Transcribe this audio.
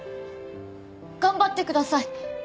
頑張ってください。